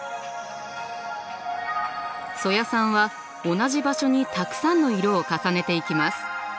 曽谷さんは同じ場所にたくさんの色を重ねていきます。